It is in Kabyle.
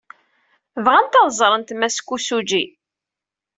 Bɣant ad ẓrent Mass Kosugi.